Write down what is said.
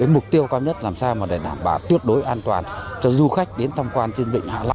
mục tiêu cao nhất làm sao để đảm bảo tuyệt đối an toàn cho du khách đến tham quan trên vịnh hạ long